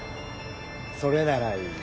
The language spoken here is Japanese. それならいい。